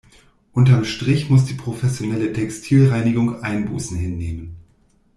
Unterm Strich muss die professionelle Textilreinigung Einbußen hinnehmen.